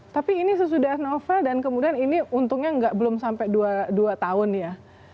tapi ini sesudah novel dan kemudian ini untungnya belum sampai dua tahun ya